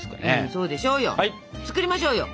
そうでしょうよ。作りましょうよ。